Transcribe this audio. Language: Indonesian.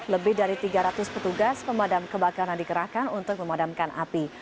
lebih dari tiga ratus petugas pemadam kebakaran dikerahkan untuk memadamkan api